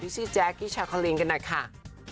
ที่ชื่อแจ๊กกี้ชาคอลิงกันด้วยค่ะ